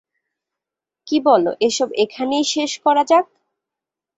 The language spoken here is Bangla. কী বলো এসব এখানেই শেষ করা যাক?